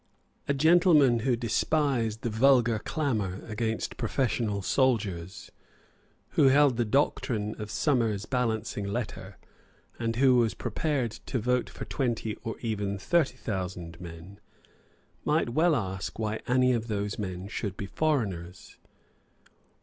A gentleman who despised the vulgar clamour against professional soldiers, who held the doctrine of Somers's Balancing Letter, and who was prepared to vote for twenty or even thirty thousand men, might yet well ask why any of those men should be foreigners.